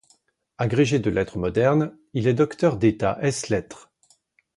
Agrégé de lettres modernes, il est docteur d'État ès lettres.